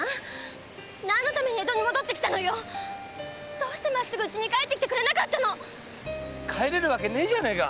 どうしてまっすぐ家に帰ってきてくれなかったの⁉帰れるわけねえじゃねえか！